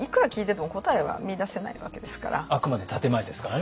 あくまで建て前ですからね。